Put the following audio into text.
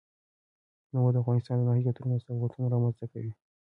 تنوع د افغانستان د ناحیو ترمنځ تفاوتونه رامنځ ته کوي.